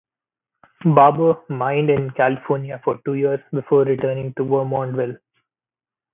Barber mined in California for two years before returning to Vermontville.